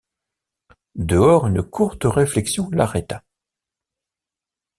Dehors, une courte réflexion l’arrêta.